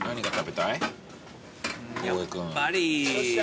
やっぱり。